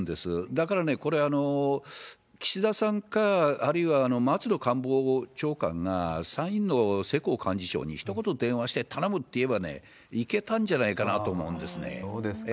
だからね、これ、岸田さんか、あるいは松野官房長官が、参院の世耕幹事長に、ひと言電話して頼むって言えば、いけたんじゃないかなと思うんですね。